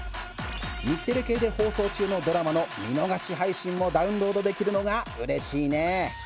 日テレ系で放送中のドラマの見逃し配信もダウンロードできるのがうれしいね！